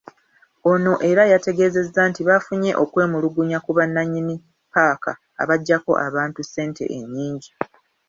Ono era yategeezezza nti baafunye okwemulugunya ku bannanyini ppaka abajjako abantu essente ennyingi.